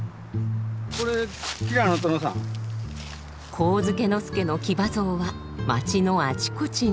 上野介の騎馬像は町のあちこちに。